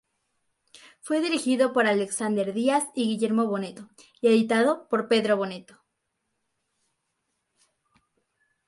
Fue dirigido por Alexander Díaz y Guillermo Bonetto y editado por Pedro Bonetto.